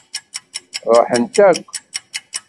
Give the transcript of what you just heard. Ṛuḥent-ak.